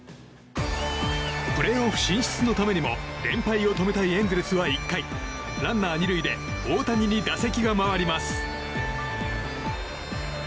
プレーオフ進出のためにも連敗を止めたいエンゼルスは１回、ランナー２塁で大谷に打席が回ります。